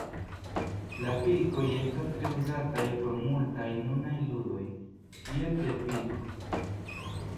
La pilkoj estas tre uzataj por multaj nunaj ludoj, kiel piedpilko.